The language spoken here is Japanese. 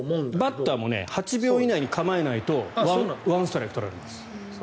バッターも８秒以内に構えないと１ストライク取られます。